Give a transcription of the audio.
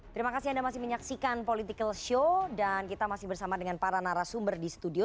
terima kasih anda masih menyaksikan political show dan kita masih bersama dengan para narasumber di studio